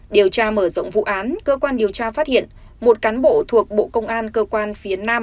điều tra mở rộng vụ án cơ quan điều tra phát hiện một cán bộ thuộc bộ công an cơ quan phía nam